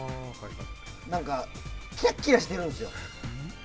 何かキラキラしてるんですよ。